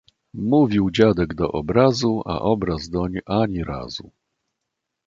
Mówił dziadek do obrazu, a obraz doń ani razu.